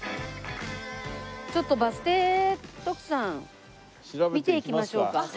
ちょっとバス停徳さん見ていきましょうか。